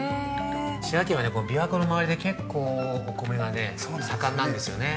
◆滋賀県は琵琶湖の周りで結構お米が盛んなんですよね。